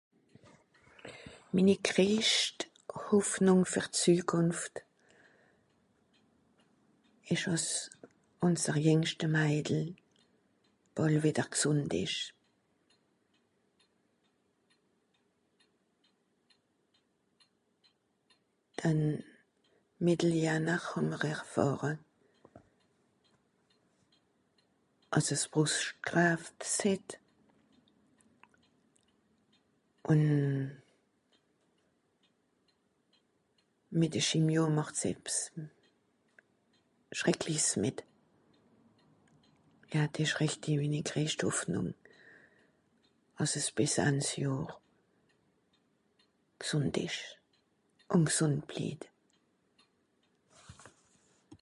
minni greischt hoffnùng fer zükùnft esch àss unser jiengschte maidel bàl wìtter gsùnd esch dann mìttel janer hàmmr erfàhre ass'es brocht (cancer ) ùn mìt de chimio màcht's ebs schreklichs mìt ja des rìchtig minni greischt hoffnùng àss'es bìs ansjohr gsùnd esch ùn gsùnd bliet